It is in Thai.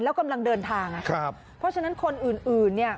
แล้วกำลังเดินทางนะครับเพราะฉะนั้นคนอื่นอื่นเนี่ย